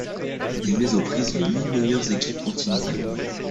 Il met aux prises les huit meilleures équipes continentales.